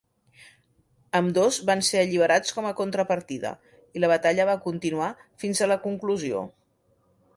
Ambdós van ser alliberats com a contrapartida i la batalla va continuar fins a la conclusió.